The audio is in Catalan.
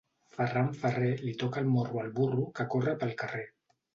Ferran Ferrer li toca el morro al burro que corre pel carrer.